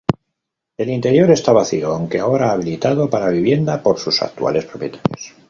El interior está vacío, aunque ahora habilitado para vivienda por sus actuales propietarios.